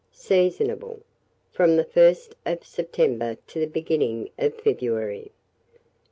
Seasonable from the 1st of September to the beginning of February.